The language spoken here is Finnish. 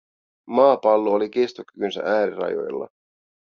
Maapallo oli kestokykynsä äärirajoilla.